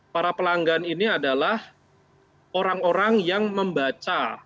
para pelanggan ini adalah orang orang yang membaca